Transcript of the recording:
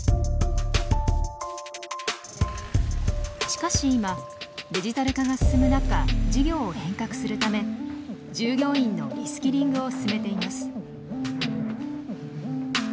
しかし今デジタル化が進む中事業を変革するため従業員のリスキリングを進めています。